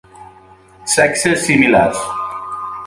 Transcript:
Sexes similars.